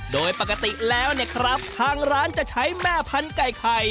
โดยปกติแล้วเนี่ยครับทางร้านจะใช้แม่พันธุไก่ไข่